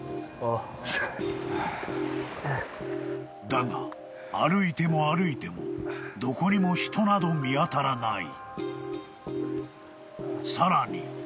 ［だが歩いても歩いてもどこにも人など見当たらない］